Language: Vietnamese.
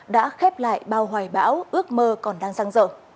đã khép lại bao hoài bão ước mơ còn đang răng rở